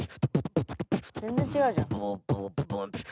全然違うじゃん。